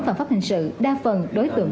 phản pháp hình sự đa phần đối tượng